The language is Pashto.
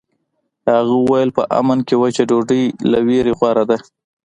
هغه وویل په امن کې وچه ډوډۍ له ویرې غوره ده.